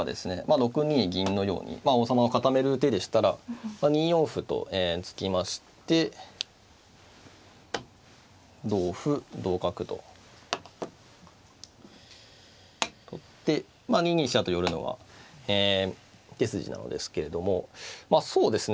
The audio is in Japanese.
６二銀のように王様を固める手でしたら２四歩と突きまして同歩同角と取ってまあ２二飛車と寄るのは手筋なのですけれどもそうですね